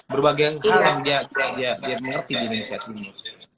berbagai hal yang dia mengerti di indonesia timur